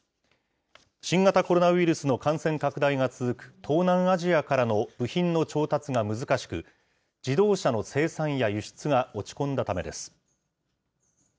新型コロナウイルスの感染拡大が続く、東南アジアからの部品の調達が難しく、自動車の生産や輸出が落ち込んだためです。